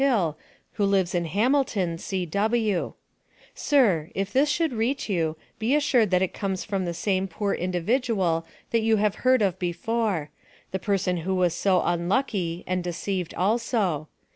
Hill, who lives in Hamilton, C.W. Sir, if this should reach you, be assured that it comes from the same poor individual that you have heard of before; the person who was so unlucky, and deceived also.